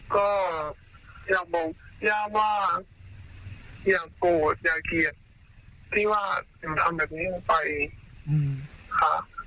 ก็อยากบอกย่าว่าอย่าโกรธอย่าเกลียดที่ว่าถึงทำแบบนี้ลงไปค่ะ